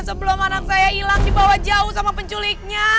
sebelum anak saya hilang dibawa jauh sama penculiknya